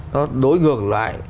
nó đối ngược lại